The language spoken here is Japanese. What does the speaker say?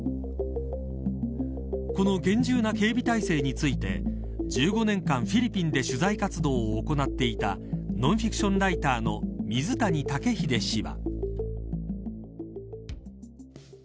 この厳重な警備体制について１５年間、フィリピンで取材活動を行っていたノンフィクションライターの水谷竹秀氏は。